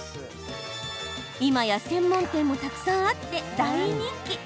今や専門店もたくさんあって大人気。